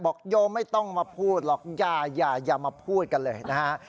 โยไม่ต้องมาพูดหรอกอย่ามาพูดกันเลยนะฮะ